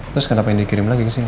terus kenapa yang dikirim lagi kesini